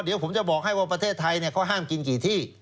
เดี๋ยวผมจะบอกให้ว่าประเทศไทยเขาห้ามกินกี่ที่